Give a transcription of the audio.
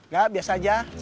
gak biasa aja